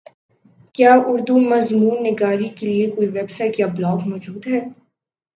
کیا اردو مضمون نگاری کیلئے کوئ ویبسائٹ یا بلاگ موجود ہے